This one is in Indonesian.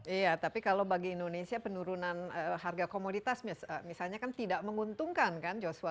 iya tapi kalau bagi indonesia penurunan harga komoditas misalnya kan tidak menguntungkan kan joshua